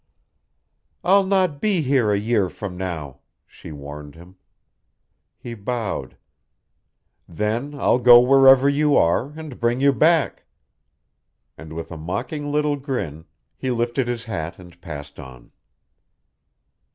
"I'll not be here a year from now," she warned him. He bowed. "Then I'll go wherever you are and bring you back." And with a mocking little grin, he lifted his hat and passed on.